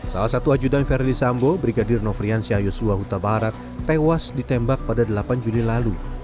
salah satu ajudan verdi sambo brigadir nofriansyah yosua huta barat tewas ditembak pada delapan juli lalu